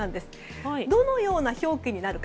どのような表記になるか。